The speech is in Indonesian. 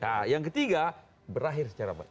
nah yang ketiga berakhir secara baik